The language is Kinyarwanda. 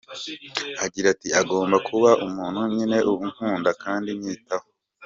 Agira ati "agomba kuba umuntu nyine unkunda, kandi unyitaho”.